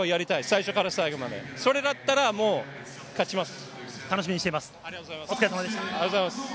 最初から最後まで、それだったらもう勝ちます。